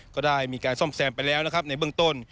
ก็ได้มีการซ่อมแซมไปแล้วนะครับในเบื้องต้น